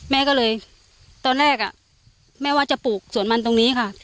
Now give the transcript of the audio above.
แม่ก็เลยตอนแรกแม่ว่าจะปลูกสวนมันตรงนี้ค่ะ